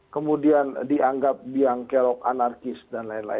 kemudian dianggap biangkerok anarkis dll